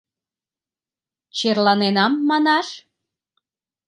Черланенам, манаш?